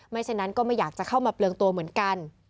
ฉะนั้นก็ไม่อยากจะเข้ามาเปลืองตัวเหมือนกัน